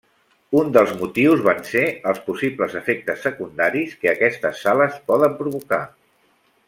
Un dels motius van ser els possibles efectes secundaris que aquestes sales poden provocar.